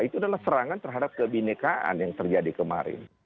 itu adalah serangan terhadap kebinekaan yang terjadi kemarin